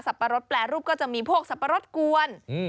ปะรดแปรรูปก็จะมีพวกสับปะรดกวน